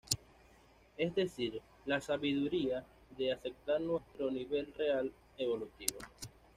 Es decir, es la sabiduría de aceptar nuestro nivel real evolutivo.